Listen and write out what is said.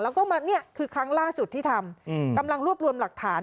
แล้วก็มาเนี่ยคือครั้งล่าสุดที่ทำกำลังรวบรวมหลักฐาน